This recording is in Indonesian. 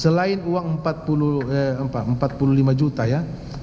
selain uang empat puluh lima juta ya